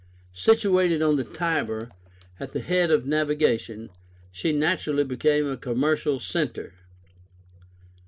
Situated on the Tiber, at the head of navigation, she naturally became a commercial centre.